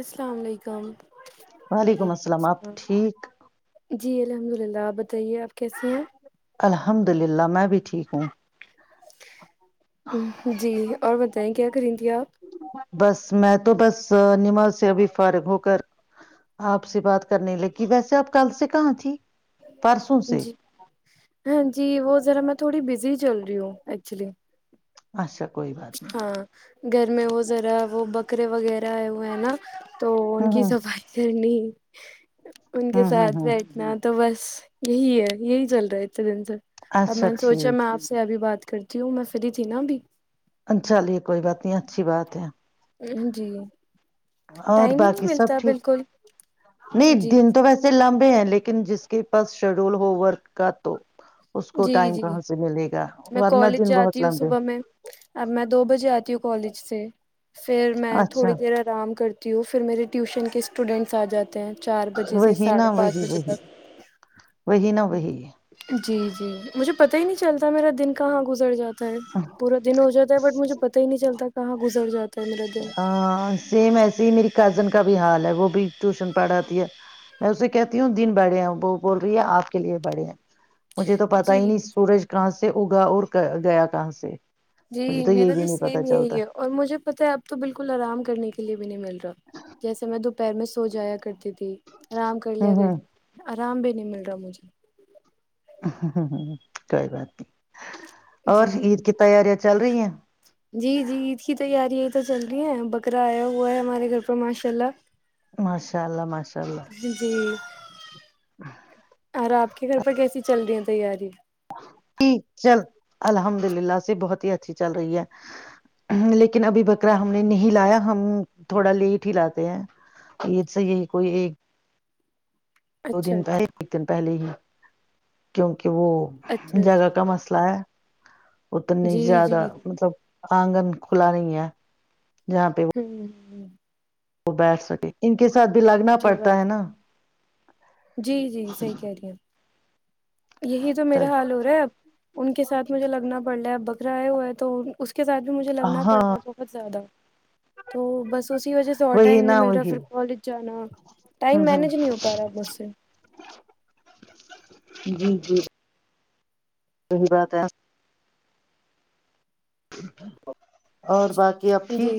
السلام علیکم وعلیکم السلام آپ اللام ٹھیک جی الحمد للہ آپ بتائیے آپ کسی الحمد للہ میں بھی ٹھیک ہوں جی اور بتائیں کیا کریںتیی ہیں آپ بس میں تو بس نماز سے ابھی فارغ ہو کر آپ سے بات کرنے لگی ویسے آپ کل سے کہاں تھی پرسوں سے جی ہاں جی وہ ذرا میں تھوڑی بزی چل رہی ہ ایکچولی [unintelligible] اچھا [unintelligible] نہیں ہاں گھر میں وہ ذرا وہ بکرے وغیرہ وہ ہے نا [unintelligible] تو ان کی ہ صفائی کرنی [unintelligible] [inaudible] ان ہ کے ہ ہ ساتھ ہ بیٹٹھنا تو بس یہی ہے یہی چل رہا ہے انے دن سے اب اچھا میں نے سوچا میں ٹھیک آپ سے ابھی بات کرتی ہوں میں فری تھی نا ابھی چلیے کوئی بات نہیں اچھی بات ہے [unintelligible] جی [unintelligible] اور ٹائم ہی نہیں باقی سب ملتا ٹھیک بالکل نہیں جی دن تو ویسے لمبے ہیں ن لیکن جس کے پاس شیڈول ہو ورک کا تو اس کو جی ٹائم جی کہاں سے ملے گا میں ورنہ کالج دن بہت جاتی ہوں لمبے صبح میں اب میں دو بجے آتی ہوں کالج سے پھر میں اچھا تھوڑی دیر آرام کرتی ہوں پھر میرے ٹیوشن کے اسٹوڈینٹس آ جاتے [unintelligible] بجے سے وہی نہا ساڑھے پانچ وہی بجے وہی تک وہی نہا وہی جی جی مجھے پتتا ہی نہیں چلتا میرا دن کہاں گزر جاتا ہے پورا دن ہو جاتا ہے بٹ مجھے پتا ہی نہیں چلتا کہاں گزر جات ہاں سیم ہے سی میری کزن کا بھی حال ہے وہ بھی ٹیوشن پڑھاتی ہے میں اسے کہتی ہوں دن بڑے ہیں وہ بول رہی ہے آپ کے لیے بڑے ہیں مجھے تو پتا ہی جی نہیں سورج کہاں سے اگا اور گیا کہاں سے مجھے جی تو یہ میرا بھی نہیں پتا سیم چلتا یہی ہے اور مجھے پتہ ہے اب تو بالکل کل آرام کرنے کے لیے نہیں مل رہا جیسے میں دپ پیر میں سو جایا کرتی تھی آرام کر لیا ہوں کر ہوں آرام بھی نہیں مل رہا مجھے ہ ہ کوئی بات نہیں اور جی عید کی تیاریاں چل رہی ہیں جی جی عید کی تیاریاں تو چل رہی ہیں بکرا آیا ہوا ہے ہمارے گھر پر ماشاء اللہ ماشاء اللہ ماشاء اللہ جی اور آپ کے گھر پر کیسی چل رہی ہیں تیاری ج چل الحمد للہ سے بہت ہی اچھی چل رہی ہے لیکن ابھی بکرا ہم نے نہیں لایا ہم تھوڑا لیٹ ہی لاتے ہیں یہ س یہی کوئی ایک دو اچھا دن پہلے اچھا ایک دن پہلے ہی کیونکہ کہ وہ اچھا جگہ اچھا کا مسئلہ ہے اتنی جی جی زیادہ جی مطلب آنگن کھلا نہیں ہے جہاں پہ ھممم جی وہ بیٹھ سکے ان کے ساتھ بھی لگنا صحیح پڑتا ہے بات نا جی جی صحیح کہہ رہی ہیں یہی تو میرا تب حال ہو رہا ہے اب ان کے ساتھ مجھے لگنا پڑ رہا ہے بکراائے ہوا ہے تو تو کے ساتھ بھی مجھے لگنا پڑ ہاں رہا ہے بہت زیادہ تو بس اسی وجہ سے اور وہی ٹائم نہیں نا مل رہا وہی پھر کالج جانا ہ ٹائم ہ مینج نہیں ہو پا رہا مج سے جی جی صی بات ہے [inaudible] اور باقی اب جی ٹھیک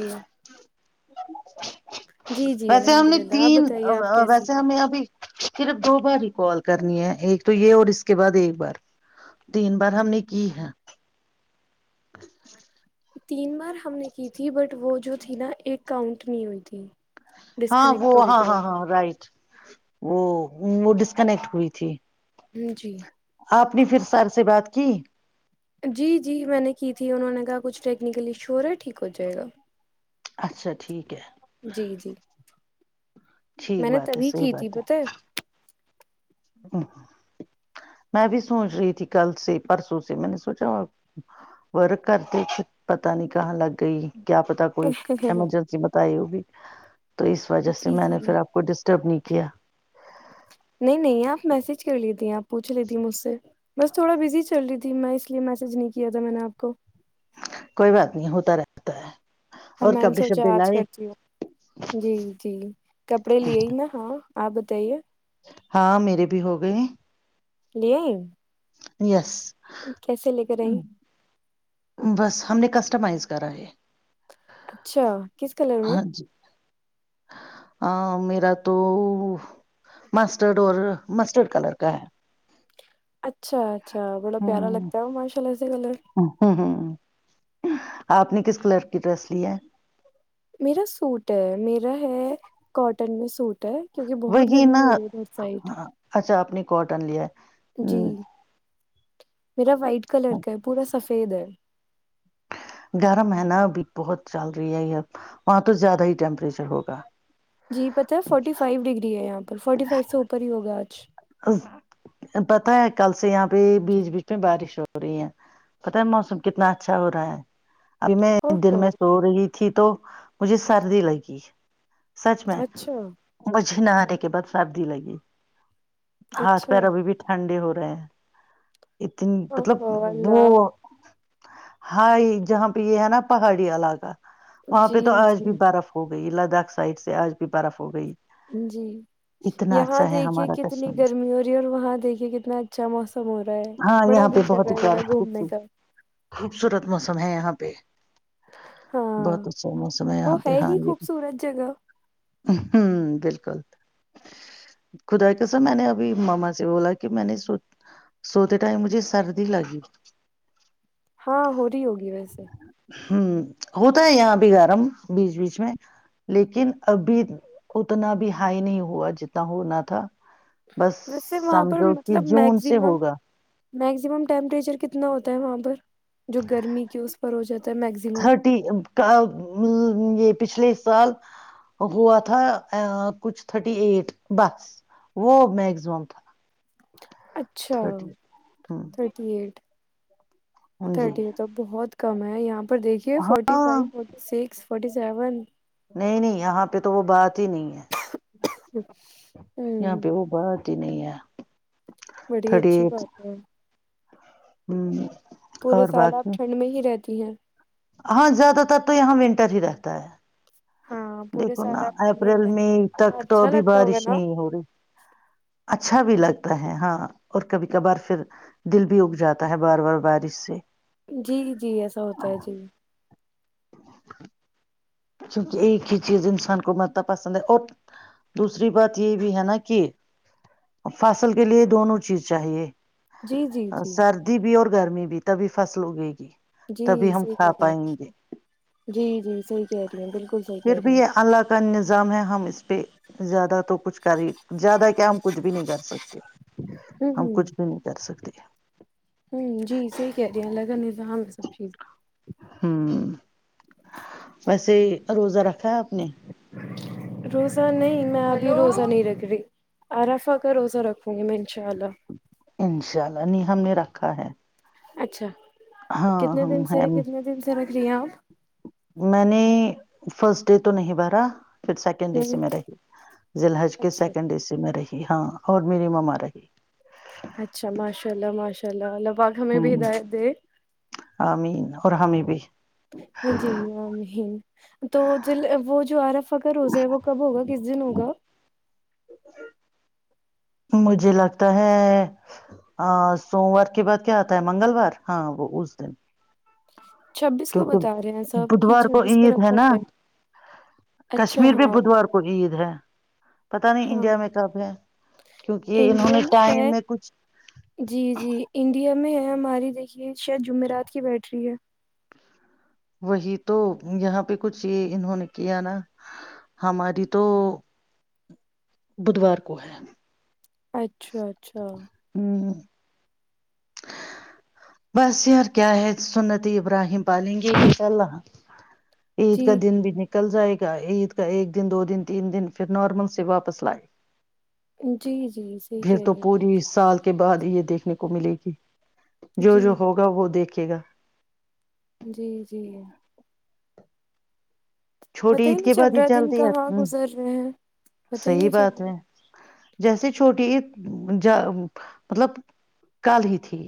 جی [inaudible] جی ویسے ہم الحمد نے للہ آپ تین بتائیے آپ کیسی ویسے ہیں ہم نے ابھی صرف دو بار ہی کال کرنی ہے ایک تو یہ اور اس کے بعد ایک بار تین بار ہم نے کی ہے ہ [inaudible] تین بار ہم نے کی تھی بٹ وہ جو تھی نا ایک کاؤنٹ نہیں ہوئی تھی ہاں وہ ڈسکنیکٹ ہو رہی ہاں تھی بار ہاں ہاں بار رائٹ وہ وہ ڈسکنیکٹ ہوئی تھی ہ جی آپ نے پھر سر سے بات کی جی جی میں نے کی تھی انہوں نے کہا کچھ ٹیکنیکل ایشو ہو رہا ہے ٹھیک ہو جائے گا اچھا ٹھیک ہے جی جی میں ٹھیک نے بات ہے تبھی صحیح کی تھی بات پت میں بھی سوچ رہی تھی کل سے پرسوں سے میں نے سوچا ور کرھرتے پتا نہیں کہاں لگ گئی کیا پتا کوئی ایمرجنسی بتائی ہوگی تو اس وجہ سے جی میں جی نے پھر آپ کو ڈسٹرب نہیں کیا نہیں نہیں آپ میسج کر لیتی آپ پوچھ لیتی مجھ سے بس تھوڑا بزی چل رہی تھی میں اس لیے میسج نہیں کیا تھا میں نے آپ کو کوئی بات نہیں ہوتا رہتا ہے ہاں اور میں نے کپڑے سوچا شبے آج لائے کرتی ہوں جی جی کپڑے لیے ہی میں ہاں آ بتائیے ہاں میرے بھی ہو گئے ہیں لیا [unintelligible] یس [unintelligible] تو کیسے لے کر آئ بس ہم نے کسٹمائز کر ہے اچھا کس کلر میں ہاں جی میرا تو ماسٹرڈ اور ماسٹرڈ کلر کا ہے اچھا اچھا بڑا پیارا ہ لگتا ہے وہ ماشاءلہ ایسے کلر ہ ہ آپ نے کس کلر کی ڈریس لی ہے میرا سوٹ ہے میرا ہے کاٹن میں سوٹ کیونکہ بہت وہی گرمی نا ہو رہی ہے سائڈ اچھا آپ نے کاٹن لیا ہے جی میرا وائٹ کلر کا پورا سفید ہے گرم ہے نا ابھی بہت چل رہی ہے وہاں تو زیادہ ہی ٹیمپریچر ہوگا جی پتہ ہے فورٹی فائیو ڈگری ہے آپ فورٹی فائیو سے اوپر ہی ہوگا آج پتا ہے کل سے یہاں پہ بیچ بیچ میں بارش ہو رہی ہے پتا ہے موسم کتنا اچھا ہو رہا ہے میں او دن ہو میں سو رہی تھی تو مجھے سردی لگی سچ میں اچھا مج نہ آنے کے بعد سابدی لگی ہاتھ اچھا پیر ابھی بھی ٹھنڈے ہوتے [inaudible] اتنی او مطلب ہو وہ اللہ ہاں جہاں پہ یہ ہے نا پہاڑی علاقہ وہاں پہ جی تو آج بھی جی برف ہو گئی ھ سائڈ سے آج بھی برف ہو رہی ہے جی یہاں دیکھیے ہمارا کتنی کشمیر گرمی ہو رہی ہے اور وہاں دیکھیے کتنا اچھا موسم ہو رہا ہے ہاں بڑا یہاں پہ دل کر بہت رہا ہے ہی میرا پیارا گھومنے کا تم ہے یہاں پہ ہاں بہت اچھا موسم وہ یہاں پہ ہے ہاں ہی یہ خوبصورت جگہ بالکل خدا کا میں نے ابھی ماما سے بولا کہ میں نے سو سوتے ٹائم مجھے سردی لگی ہاں ہو رہی ہوگی ویسے ہوتا ہے یہاں بھی گرم بیچ بیچ میں لیکن ابھی اتنا بھی ہائی نہیں ہوا جتنا ہونا تھا بس ویسے وہاں سمجھو کہ جون سے ہوگا میگزمم ٹیمپریچر کتنا ہوتا ہے وہاں پر جو گرمی کی اس پر ہو جاتا ہے میگزیمم تھرٹی کا یہ پچھلے سال ہوا تھا کچھ تھرٹی ایٹ بس وہ میکزمم تھا اچھا تھرٹی ہ تھرٹی ایٹ [unintelligible] جی تھرٹی تو بہت کم ہے یہاں پر دیکھیے فورٹی ہاں five forty six forty seven نہیں نہیں یہاں پہ تو وہ بات ہی نہیں ہے یہاں ہوں پہ وہ بات نہیں ہے بڑی اچھی بات ہے ہوں پورے سال آپ ٹھنڈ میں ہی رہتے ج ہ ہاں زیادہ تر تو یہاں ونٹر ہی رہتا ہے ہاں پورے دیکھو نا سال آپ ٹھنڈ میں ہی اپریل رہتی مئی تک ہیں تو اچھا ابھی لگتا بارش ہوگا نا نہیں ہو رہی اچھا بھی لگتا ہے ہاں اور کبھی کبھار پھر دل بھی اگ جاتا ہے بار بار بارش سے جی جی ایسا ہوتا ہے جی [unintelligible] کیونکہ ایک ہی چیز انسان کو متب پسند ہے اور دوسری بات یہ بھی ہے نا کہ فصل کے لیے دونوں چیز چاہیے جی جی جی سردی بھی اور گرمی بھی بھی تبھی فصل اگے گی جی تبھی ہم صحیح کہ کھا رہے ہیں پائیں گے جی جی صیح پھر بھی یہ اللہ کا نظام ہے ہم اس پہ زیادہ تو کچھ کری زیادہ کیا کچھ بھی نہیں کر سکتے ہم ہوں کچھ بھی نہیں کر سکتے ہوں جی صحیح کہہ رہیے ہیں اللہ کا نظ ہم ہے سب چیزیں ہوں [unintelligible] ویسے روزہ رکھا ہے آپ نے روزہ نہیں میں ابھی روزہ نہیں رکھ رہی ارفا کا روزہ رکھوں گی میں ان شاء اللہ انشاء اللہ نہیں ہم نے رکھا ہے اچھا ہاں کتنے دن سے ہم کتنے دن سے رکھ رہی ہیں آپ میں نے فرسٹ ڈے تو نہیں بارا پھر سیکنڈ ا ہ سی میں رہی لحج کے اچھا سیکنڈ ا سی میں رہی ہاں اور میری مما رہی اچھا ماشاء اللہ ماشاء اللہ اللہ پاک ہ ہمیں بھی ہدایت دے آمین اور ہمیں بھی جیجی م تو وہ جو آرف اکر ہوز ہے وہ کب ہوگا کس دن ہوگا مجھے لگتا ہے سوموار کے بعد کیا آتا ہے منگلوار ہاں وہ اس دن چھبیس کو کیونکہ بتا رہے ہیں سب کہ بدوار کو چھبیس عید ہے رکھا نا جائے اچھا کشمیر بھی ہاں بدوار کو عید ہے پتا نہیں ہاں انڈیا میں کب ہے کیونکہ یہ انہوں انڈیا نے میں ٹائم ہے کچھ جی جی انڈیا میں ہے ہماری دیکھیے شاید جمعرات کی بیٹ رہری ہے وہی تو یہاں پہ کچھ یہ انہوں نے کیا نا ہماری تو بدوار کو ہے اچھا اچھا ہ بس یار کیا ہے سنتی ابراہیم پالیں گے انشاء اللہ عید کا جی دن بھی نکل جائے گا عید کا ایک دن دو دن تین دن پھر نارمل سے واپس لائے جی جی صحیح پھر کہہ تو رہی پوری سال کے بعد یہ دیکھنے کو ملی جی ہیں جو جو جی ہوگا وہ دیکھ رکے گا جی جی چھوٹی پتا ہی عید نہیں کے چل بعد رہا ہے دن جلدی کہاں آتی۔ گزر رہے ہیں پتا ہی صحیح نہیں چل بات رہا ہے جیسے چھوٹی ج مطلب کل ہی تھی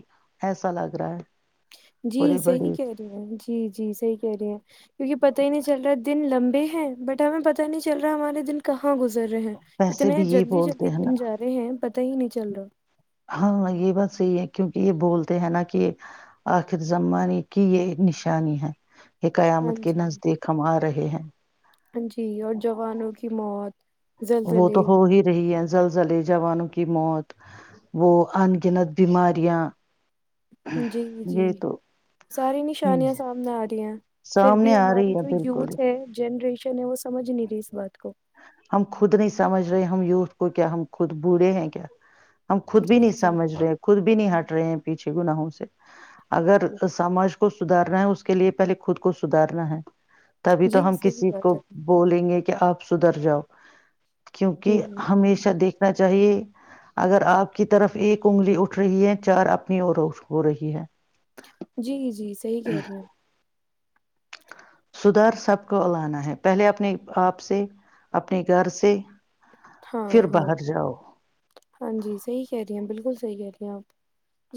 ایسا لگ رہا ہے جی پورے بڑے صحیح کہہ رہی ہیں جی جی صحیح کہہ رہی ہیں کیونکہ پت ہی نہیں چل رہا دن لمبی ہیں بٹ ہمیں پتا نہیں چل رہا ہمارے دن کہاں اں گزر رہے ہیں ویسے اتنے بھی یہ جلدی جلدی بولتے ہیں نا دن جا رہے ہیں پت ہی نہیں چل رہا ہاں یہ بات صحی ہے کیونکہ یہ بولتے ہیں نا کہ آخر زمہ کہ یہ نشانی ہے یہ ہاں قیامت کے جی نزدیک ہم آ رہے ہیں جی اور جوانوں کی موت وہ تو زلزلے ہو ہی رہی ہے زلزلیں جوانوں کی موت وہ انگنت بیماریاں جی جی یہ تو ساری نشانیاں سامنے آ رہی ہیں پھر بھی سامنے آ ہماری رہی ہے جو بالکل یوتھ ہے جنریشن وہ سمجھ نہیں رہی اس بات کو ہم خود نہیں سمجھ رہے ہم یوتھ کو کیا ہم خود بوڑھے ہیں کیا ہم خود بھی جی نہیں جی سمجھ رہے خود بھی نہیں ہٹ رہے ہیں پیچھے گناہوں سے اگر سماج کو سدارنا ہے اس کے لیے پہلے خود کو سدارنا ہے تبھی جی تو ہم صحیح کسی بات ہے کو بولیں گے کہ آپ سدر جاؤ ہوں کیونکہ ہ ہمیشہ دیکھنا چاہیے اگر آپ کی طرف ایک انگلی اٹھ رہی ہے چار اپنی اور ہو رہی ہے جی جی صحی کہہ رہی ہیں سدھر سب کو الانا ہے پہلے اپنے آپ سے اپنے گھر سے ہاں پھر ہاں باہر جاؤ ہاں جی صی کہہ رہی ہیں بالکل ہیں آپ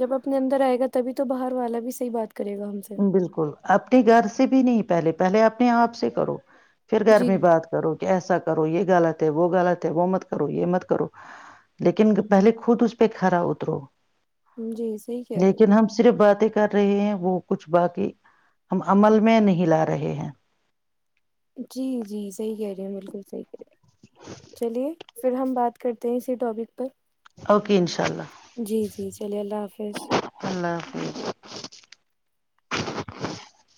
جب اپنے اندر آئے گا تبھی تو باہر والا بھی صحی بات کرے گا ہم سے بالکل اپنے گھر سے بھی نہیں پہلے پہلے اپنے آپ سے کرو پھر گھر جی میں بات کرو کہ ایسا کرو یہ غالط ہے وہ گالط ہے وہ مت کرو یہ مت کرو لیکن پہلے خود اس پہ کھھرا اترو جی صحیح کہہ رہی لیکن ہیں ہم صرف باتیں کر رہے ہیں وہ کچھ باقی ہم عمل میں نہیں لا رہے ہیں جی جی صحیح کہہ رہی ہیں بالکل صحی کہہ رہی چلیے پھر ہم بات کرتے ہیں اسی ٹاپک پر اوکے انشاء اللہ جی جی چلیے اللہ حافظ اللہ حافظ [unintelligible]